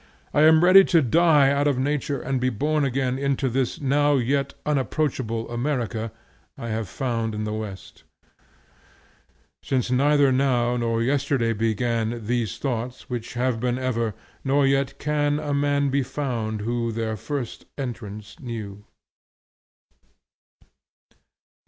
I am ready to die out of nature and be born again into this new yet unapproachable America I have found in the West: "Since neither now nor yesterday began These thoughts, which have been ever, nor yet can A man be found who their first entrance knew."